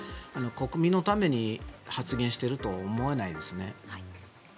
国民のために発言していると思えないですね。